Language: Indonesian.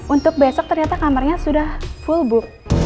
untuk besok ternyata kamarnya sudah full bu